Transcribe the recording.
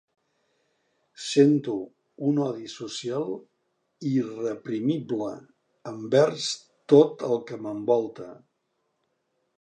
Sento un odi social irreprimible envers tot el que m'envolta.